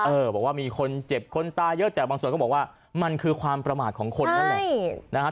บอกว่ามีคนเจ็บคนตายเยอะแต่บางส่วนก็บอกว่ามันคือความประมาทของคนนั่นแหละนะครับ